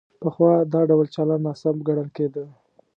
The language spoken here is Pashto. پخوا دا ډول چلند ناسم ګڼل کېده.